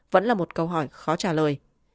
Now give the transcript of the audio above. vẫn là một câu hỏi khó trả lời